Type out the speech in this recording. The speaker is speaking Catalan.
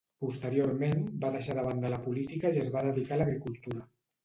Posteriorment, va deixar de banda la política i es va dedicar a l'agricultura.